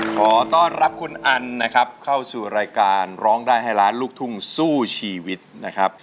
ขอต้อนรับคุณอันนะครับเข้าสู่รายการร้องได้ให้ล้านลูกทุ่งสู้ชีวิตนะครับ